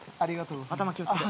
頭気を付けて。